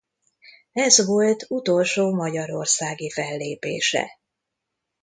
Ez volt utolsó magyarországi fellépése.